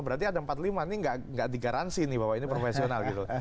berarti ada empat puluh lima ini nggak digaransi nih bahwa ini profesional gitu